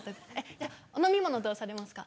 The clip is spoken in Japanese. じゃお飲み物どうされますか？